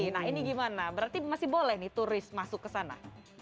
nah ini gimana berarti masih boleh nih turis masuk ke sana